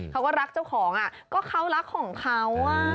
เขาก็รักเจ้าของก็เขารักของเขา